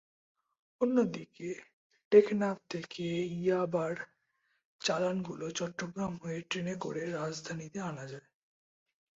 অন্যদিকে টেকনাফ থেকে ইয়াবার চালানগুলো চট্টগ্রাম হয়ে ট্রেনে করে রাজধানীতে আনা যায়।